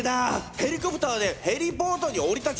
ヘリコプターでヘリポートに降り立ち